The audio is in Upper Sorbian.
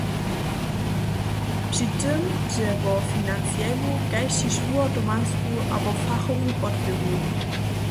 Při tym dźe wo financielnu kaž tež wuhotowansku abo fachowu podpěru.